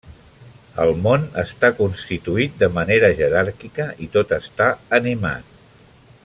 El món està constituït de manera jeràrquica i tot està animat.